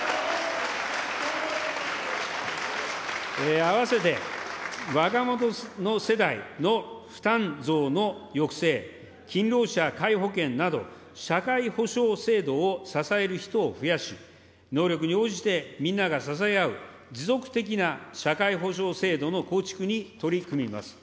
あわせて、若者世代の負担増の抑制、勤労者皆保険など、社会保障制度を支える人を増やし、能力に応じてみんなが支え合う、持続的な社会保障制度の構築に取り組みます。